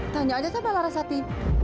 tanya aja sama larasati